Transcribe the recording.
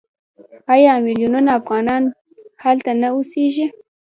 آیا میلیونونه افغانان هلته نه اوسېږي؟